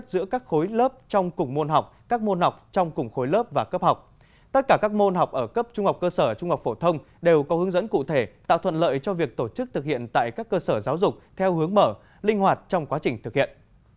tất cả các môn học ở cấp trung học cơ sở trung học phổ thông đều có hướng dẫn cụ thể tạo thuận lợi cho việc tổ chức thực hiện tại các cơ sở giáo dục theo hướng mở linh hoạt trong quá trình thực hiện